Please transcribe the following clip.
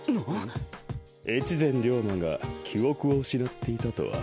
越前リョーマが記憶を失っていたとは。